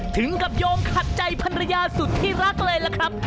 ถึงกับโยงขัดใจภรรยาสุดที่รักเลยล่ะครับ